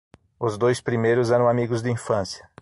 Os dois primeiros eram amigos de infância.